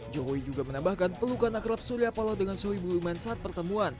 jokowi juga menambahkan pelukan akrab surya paloh dengan soebul iman saat pertemuan